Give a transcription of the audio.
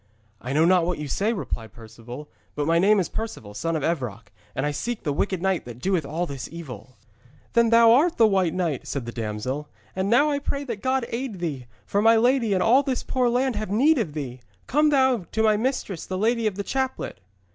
'I know not what you say,' replied Perceval, 'but my name is Perceval, son of Evroc, and I seek the wicked knight that doeth all this evil.' 'Then thou art the White Knight,' said the damsel, 'and now I pray that God aid thee, for my lady and all this poor land have need of thee. Come thou to my mistress, the lady of the Chaplet.'